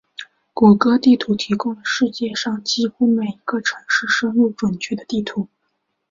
谷歌地图提供了世界上几乎每一个城市深入准确的地图。